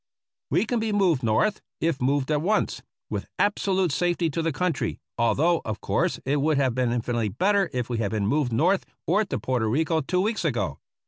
We can be moved North, if moved at once, with ab solute safety to the country, although, of course, it would have been infinitely better if we had been moved North or to Porto Rico two weeks ago.